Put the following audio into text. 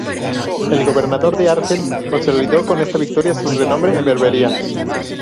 El gobernador de Argel consolidó con esta victoria su renombre en Berbería.